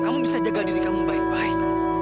kamu bisa jaga diri kamu baik baik